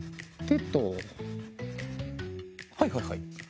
はいはいはい。